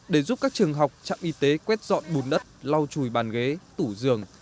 để giúp các trường học trạm y tế quét dọn bùn đất lau chùi bàn ghế tủ giường